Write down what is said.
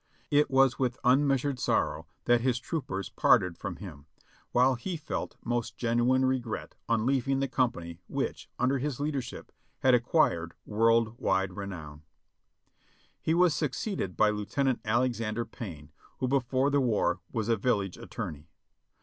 It was with unmeasured sorrow that his troopers parted from him, while he felt most genuine regret on leaving the company which, under his leadership, had acquired v/orld wide renown. He was succeeded by Lieutenant Alexander Payne, who before the war was a village attorney.